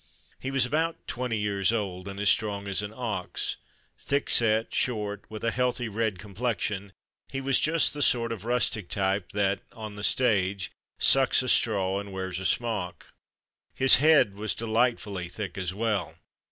He was about twenty years old, and as strong as an ox. Thickset, short, with a healthy red complexion, he was just the sort of rustic type that, on the stage, sucks a straw and wears a smock. His head was delightfully thick as well.